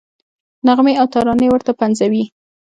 نغمې او ترانې ورته پنځوي.